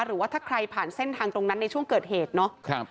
หรือว่าถ้าใครผ่านเส้นทางตรงนั้นในช่วงเกิดเหตุเนาะ